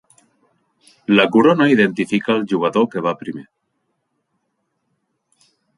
La corona identifica el jugador que va primer.